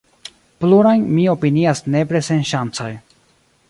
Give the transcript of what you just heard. Plurajn mi opinias nepre senŝancaj.